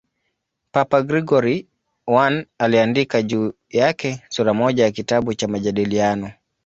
Papa Gregori I aliandika juu yake sura moja ya kitabu cha "Majadiliano".